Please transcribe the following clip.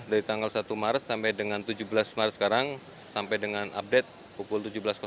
dari tanggal satu maret sampai dengan tujuh belas maret sekarang sampai dengan update pukul tujuh belas